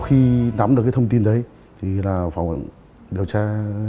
thì là phòng điều tra